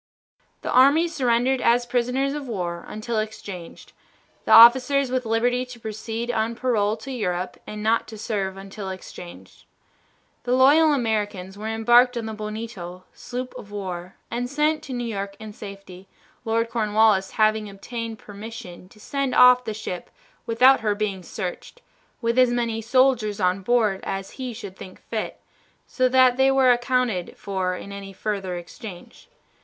The army surrendered as prisoners of war until exchanged, the officers with liberty to proceed on parole to Europe and not to serve until exchanged. The loyal Americans were embarked on the Bonito, sloop of war, and sent to New York in safety, Lord Cornwallis having obtained permission to send off the ship without her being searched, with as many soldiers on board as he should think fit, so that they were accounted for in any further exchange.